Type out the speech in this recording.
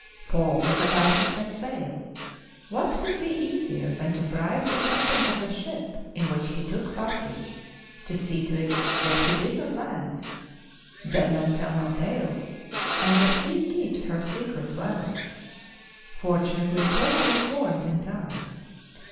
Paul was about to set sail. What could be easier than to bribe the captain of the ship in LIFE OF ST. PAUL 92 which, he took passage to see to it that he did not land ? Dead men tell no tales, and the sea keeps her secrets well. Fortunately Paul was warned in time.